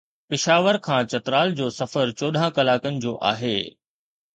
پشاور کان چترال جو سفر چوڏهن ڪلاڪن جو آهي.